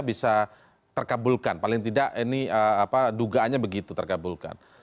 bisa terkabulkan paling tidak ini dugaannya begitu terkabulkan